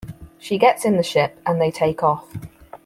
She gets in the ship, and they take off.